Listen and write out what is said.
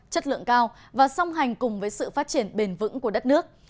chất lượng cao và song hành cùng với sự phát triển bền vững của đất nước